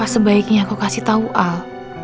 apa sebaiknya aku kasih tau al